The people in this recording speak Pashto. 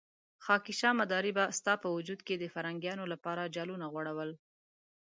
خاکيشاه مداري به ستا په وجود کې د فرهنګيانو لپاره جالونه غوړول.